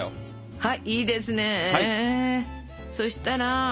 はい。